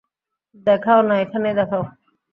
দেখাও না, এখানেই দেখাও।